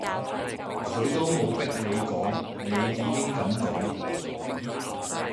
佢都冇逼你講，你已經噉講